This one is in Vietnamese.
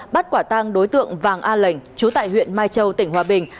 bắt quả tang đối tượng vàng a lệnh chú tại huyện mai châu tỉnh hòa bình